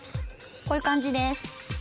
こういう感じです。